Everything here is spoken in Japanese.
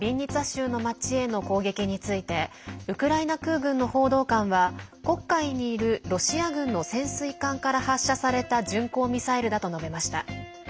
州の町への攻撃についてウクライナ空軍の報道官は黒海にいるロシア軍の潜水艦から発射された巡航ミサイルだと述べました。